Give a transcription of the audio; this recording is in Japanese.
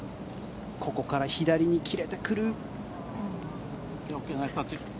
ここから左に切れてくる。